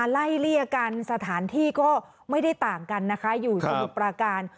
ไล่เลี่ยกันสถานที่ก็ไม่ได้ต่างกันนะคะอยู่สมุทรปราการ